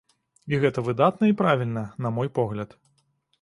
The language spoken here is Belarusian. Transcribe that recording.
І гэта выдатна і правільна, на мой погляд.